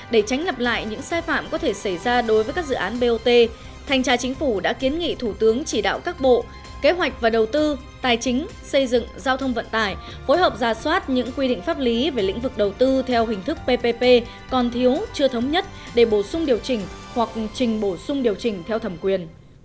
để tránh lập lại những sai phạm có thể xảy ra đối với các dự án bot thanh tra chính phủ đã kiến nghị thủ tướng chỉ đạo các bộ kế hoạch và đầu tư tài chính xây dựng giao thông vận tải phối hợp ra soát những quy định pháp lý về lĩnh vực đầu tư theo hình thức ppp còn thiếu chưa thống nhất để bổ sung điều chỉnh hoặc trình bổ sung điều chỉnh theo thẩm quyền